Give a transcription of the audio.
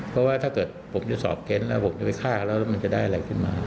เพราะว่าถ้าเกิดผมจะสอบเค้นแล้วผมจะไปฆ่าแล้วแล้วมันจะได้อะไรขึ้นมา